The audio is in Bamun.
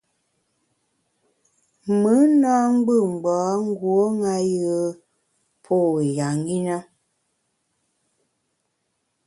Mùn na ngbù ngbâ nguo ṅa pô ya ṅi na.